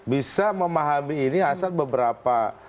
bisa memahami ini asal beberapa